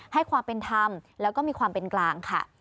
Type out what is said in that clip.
ให้ความเป็นธรรมแล้วก็มีความเป็นกลางค่ะ